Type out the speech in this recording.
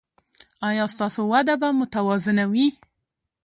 ایا ستاسو وده به متوازنه وي؟